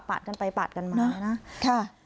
ปาดกันไปปาดกันมา